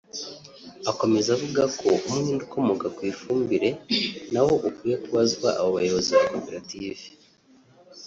Akomeza avuga ko umwenda ukomoka ku ifumbire na wo ukwiye kubazwa abo bayobozi ba koperative